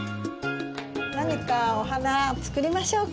何かお花作りましょうか？